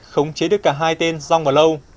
không chế được cả hai tên zong và lâu